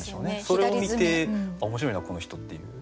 それを見て面白いなこの人っていう。